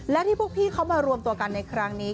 และที่พวกพี่เขามารวมตัวกันในครั้งนี้